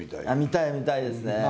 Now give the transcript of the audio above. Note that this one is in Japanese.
見たい見たいですね。